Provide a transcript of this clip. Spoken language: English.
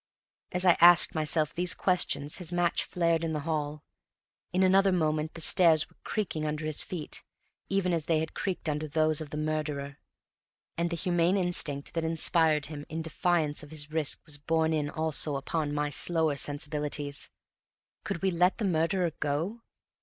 As I asked myself these questions his match flared in the hall; in another moment the stairs were creaking under his feet, even as they had creaked under those of the murderer; and the humane instinct that inspired him in defiance of his risk was borne in also upon my slower sensibilities. Could we let the murderer go?